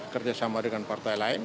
kerjasama dengan partai lain